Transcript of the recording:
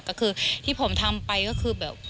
ก็คือที่ผมทำไปก็คือแบบ